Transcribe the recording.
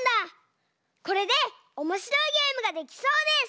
これでおもしろいゲームができそうです！